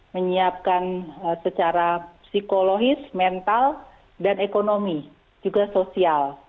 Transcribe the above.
menyiapkan secara psikologis mental dan ekonomi juga sosial